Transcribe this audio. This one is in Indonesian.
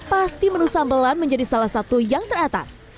pasti menu sambelan menjadi salah satu yang teratas